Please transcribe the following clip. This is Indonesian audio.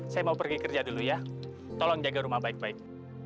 saya mau pergi kerja dulu ya tolong jaga rumah baik baik